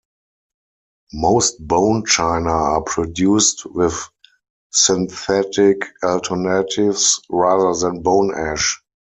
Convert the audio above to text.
Most bone china are produced with synthetic alternatives rather than bone ash.